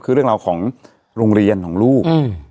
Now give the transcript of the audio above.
คือเรื่องราวของโรงเรียนของลูก